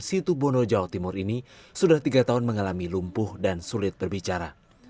situ bondo jawa timur ini sudah tiga tahun mengalami lumpuh dan sulit berbicara